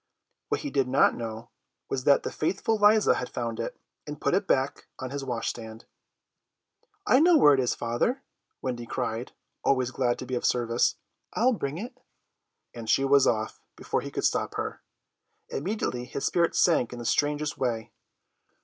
What he did not know was that the faithful Liza had found it, and put it back on his wash stand. "I know where it is, father," Wendy cried, always glad to be of service. "I'll bring it," and she was off before he could stop her. Immediately his spirits sank in the strangest way.